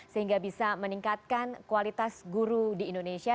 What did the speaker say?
sehingga bisa meningkatkan kualitas guru di indonesia